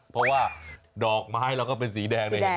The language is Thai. เพราะว่าดอกไม้เราก็เป็นสีแดงเลยเห็นไหม